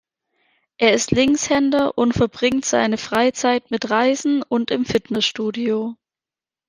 Er ist Linkshänder und verbringt seine Freizeit mit Reisen und im Fitnessstudio.